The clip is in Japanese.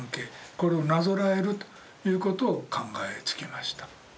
これをなぞらえるということを考えつきました。